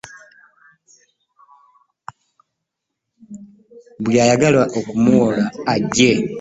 Buli ayagala okumuwola ajje.